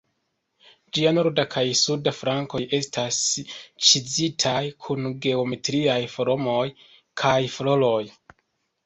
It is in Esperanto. Ĝia norda kaj suda flankoj estas ĉizitaj kun geometriaj formoj kaj floroj.